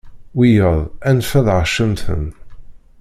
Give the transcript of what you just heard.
Wiyaḍ anef ad aɣ-cemten.